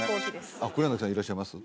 黒柳さんいらっしゃいます？